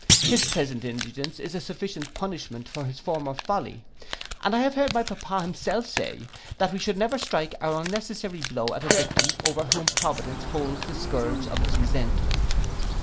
His present indigence is a sufficient punishment for former folly; and I have heard my pappa himself say, that we should never strike our unnecessary blow at a victim over whom providence holds the scourge of its resentment.